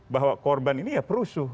bahwa korban ini ya perusuh